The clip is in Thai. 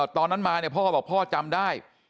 ตอนนั้นมาพ่อบอกพ่อจำได้